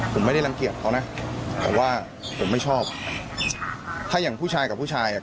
ผมไม่ได้รังเกียจเขานะผมว่าผมไม่ชอบถ้าอย่างผู้ชายกับผู้ชายอ่ะ